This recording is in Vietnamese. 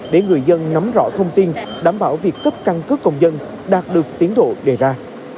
để người dân nắm rõ thông tin đảm bảo việc cấp căn cước công dân đạt được tiến độ đề ra